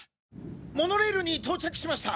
モノレールに到着しました。